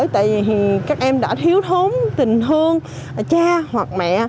tại vì các em đã thiếu thốn tình hơn cha hoặc mẹ